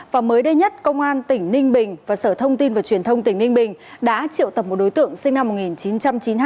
và mới đây nhất công an tỉnh ninh bình và sở thông tin và truyền thông tỉnh ninh bình đã triệu tập một đối tượng sinh năm một nghìn chín trăm chín mươi hai